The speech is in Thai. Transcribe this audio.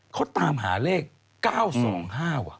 เขาตามหาเลข๙๒๕ว่ะ